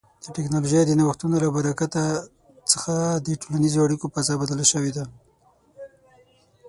د ټکنالوژۍ د نوښتونو له برکت څخه د ټولنیزو اړیکو فضا بدله شوې ده.